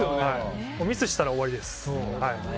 ミスしたら終わりです。